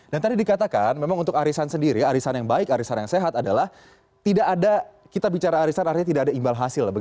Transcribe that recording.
dan tadi dikatakan memang untuk alisan sendiri alisan yang baik alisan yang sehat adalah tidak ada kita bicara alisan artinya tidak ada imbal hasil